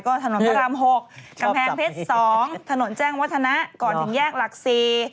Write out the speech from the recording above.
ก็ถนนพระราม๖กำแพงเพชร๒ถนนแจ้งวัฒนะก่อนถึงแยกหลัก๔